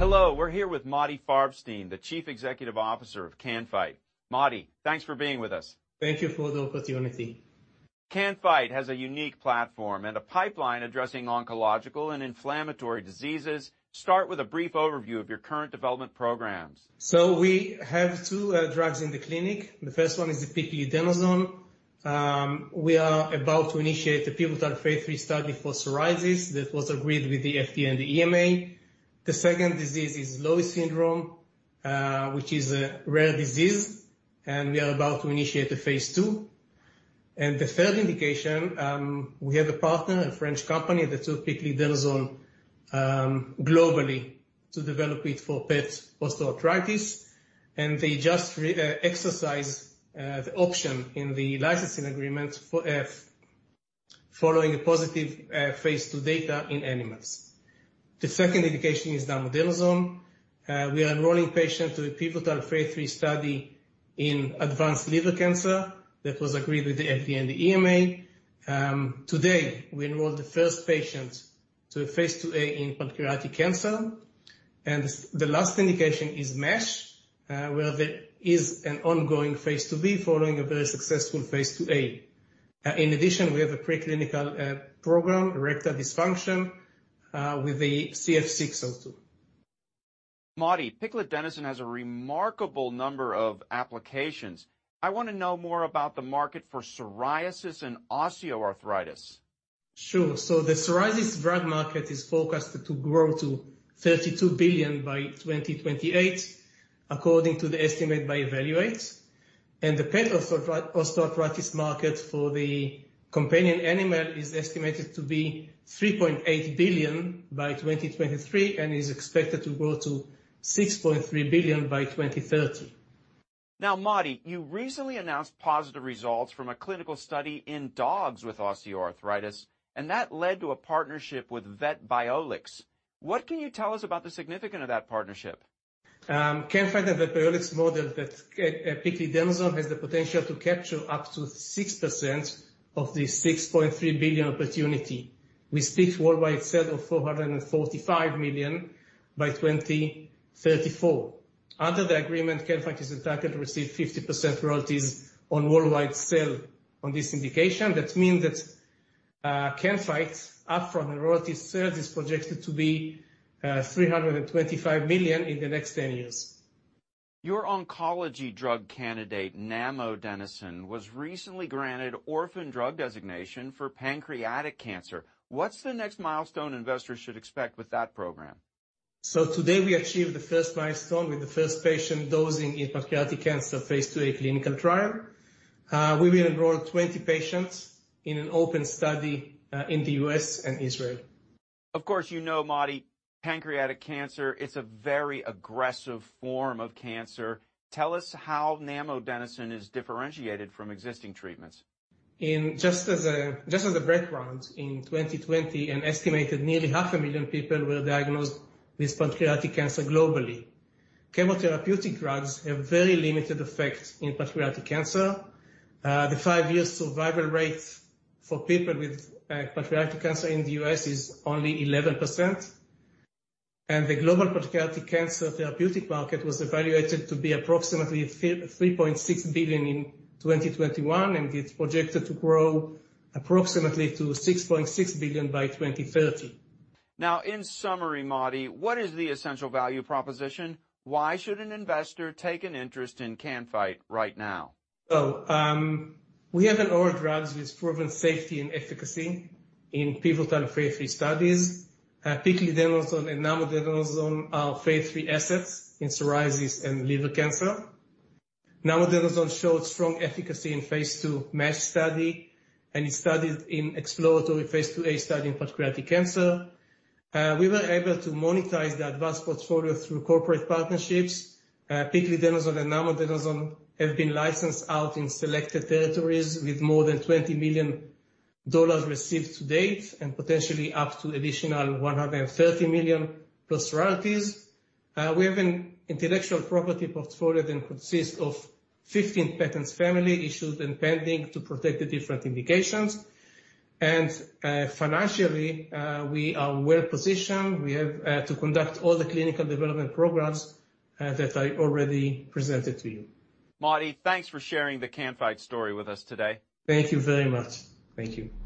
Hello, we're here with Motti Farbstein, the Chief Executive Officer of Can-Fite. Motti, thanks for being with us. Thank you for the opportunity. Can-Fite has a unique platform and a pipeline addressing oncological and inflammatory diseases. Start with a brief overview of your current development programs. We have two drugs in the clinic. The first one is Piclidenoson. We are about to initiate a pivotal phase III study for psoriasis that was agreed with the FDA and the EMA. The second disease is Lowe syndrome, which is a rare disease, and we are about to initiate a phase II. The third indication, we have a partner, a French company, that took Piclidenoson globally to develop it for pet osteoarthritis, and they just exercised the option in the licensing agreement following a positive phase II data in animals. The second indication is Namodenoson. We are enrolling patients to a pivotal phase III study in advanced liver cancer that was agreed with the FDA and the EMA. Today, we enrolled the first patient to a phase IIa in pancreatic cancer. The last indication is NASH, where there is an ongoing phase IIb following a very successful phase IIa. In addition, we have a preclinical program, erectile dysfunction, with the CF602. Motti, Piclidenoson has a remarkable number of applications. I want to know more about the market for psoriasis and osteoarthritis. Sure. So the psoriasis drug market is forecast to grow to $32 billion by 2028, according to the estimate by Evaluate. And the pet osteoarthritis market for the companion animal is estimated to be $3.8 billion by 2023 and is expected to grow to $6.3 billion by 2030. Now, Motti, you recently announced positive results from a clinical study in dogs with osteoarthritis, and that led to a partnership with VetBioBank. What can you tell us about the significance of that partnership? Can-Fite and VetBioBank model that Piclidenoson has the potential to capture up to 6% of the $6.3 billion opportunity. We see worldwide sales of $445 million by 2034. Under the agreement, Can-Fite is entitled to receive 50% royalties on worldwide sales on this indication. That means that Can-Fite, upfront royalty sales, is projected to be $325 million in the next 10 years. Your oncology drug candidate, Namodenoson, was recently granted Orphan Drug designation for pancreatic cancer. What's the next milestone investors should expect with that program? Today, we achieved the first milestone with the first patient dosing in pancreatic cancer phase IIa clinical trial. We will enroll 20 patients in an open study in the U.S. and Israel. Of course, you know, Motti, pancreatic cancer, it's a very aggressive form of cancer. Tell us how Namodenoson is differentiated from existing treatments. Just as a background, in 2020, an estimated nearly 500,000 people were diagnosed with pancreatic cancer globally. Chemotherapeutic drugs have very limited effects in pancreatic cancer. The five-year survival rate for people with pancreatic cancer in the U.S. is only 11%. And the global pancreatic cancer therapeutic market was evaluated to be approximately $3.6 billion in 2021, and it's projected to grow approximately to $6.6 billion by 2030. Now, in summary, Motti, what is the essential value proposition? Why should an investor take an interest in Can-Fite right now? We have an oral drug with proven safety and efficacy in pivotal phase III studies. Piclidenoson and Namodenoson are phase III assets in psoriasis and liver cancer. Namodenoson showed strong efficacy in phase II NASH study, and it's studied in exploratory phase IIa study in pancreatic cancer. We were able to monetize the advanced portfolio through corporate partnerships. Piclidenoson and Namodenoson have been licensed out in selected territories with more than $20 million received to date and potentially up to additional $130 million plus royalties. We have an intellectual property portfolio that consists of 15 patents family issued and pending to protect the different indications. And financially, we are well positioned. We have to conduct all the clinical development programs that I already presented to you. Motti, thanks for sharing the Can-Fite story with us today. Thank you very much. Thank you.